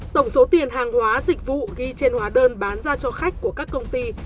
tổng số tiền hàng hóa dịch vụ ghi trên hóa đơn bán ra cho khách của các công ty